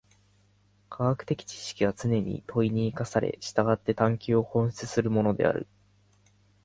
科学的知識はつねに問に生かされ、従って探求を本質とするものである。